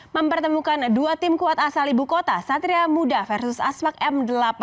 mempertemukan dua tim kuat asal ibu kota satria muda vs aspak m delapan puluh delapan